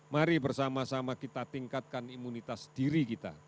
mari bersama sama kita tingkatkan imunitas diri kita